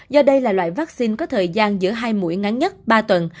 do đây là loại vaccine có thời gian giữa hai mũi ngắn nhất ba tuần